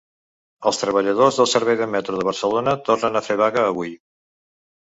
Els treballadors del servei del metro de Barcelona tornen a fer vaga avui.